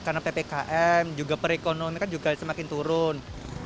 karena ppkm juga perekonomian kan juga semakin turun